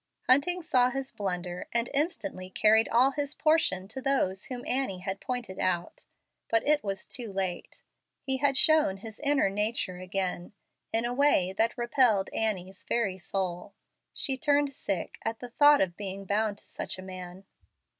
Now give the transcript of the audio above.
Hunting saw his blunder and instantly carried all his portion to those whom Annie had pointed out. But it was too late. He had shown his inner nature again in a way that repelled Annie's very soul. She turned sick at the thought of being bound to such a man.